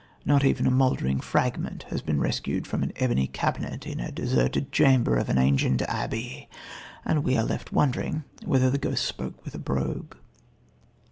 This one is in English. Not even a mouldering fragment has been rescued from an ebony cabinet in the deserted chamber of an ancient abbey, and we are left wondering whether the ghosts spoke with a brogue.